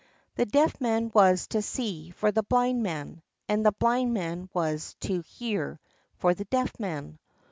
The Deaf Man was to see for the Blind Man, and the Blind Man was to hear for the Deaf Man.